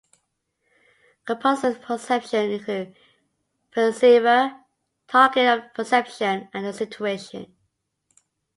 Components of perception include the perceiver, target of perception, and the situation.